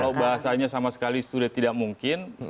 kalau bahasanya sama sekali sudah tidak mungkin